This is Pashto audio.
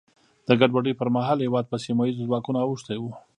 د ګډوډیو پر مهال هېواد په سیمه ییزو ځواکونو اوښتی و.